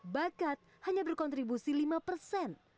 bakat hanya berkontribusi lima persen